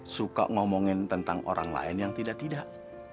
suka ngomongin tentang orang lain yang tidak tidak